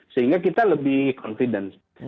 sehingga kita lebih confident